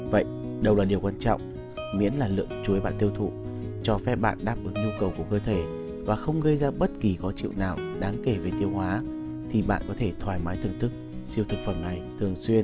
vậy đâu là điều quan trọng miễn là lượng chuối bạn tiêu thụ cho phép bạn đáp ứng nhu cầu của cơ thể và không gây ra bất kỳ khó chịu nào đáng kể về tiêu hóa thì bạn có thể thoải mái thưởng thức siêu thực phẩm này thường xuyên